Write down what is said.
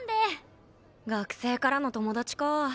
学生からの友達か。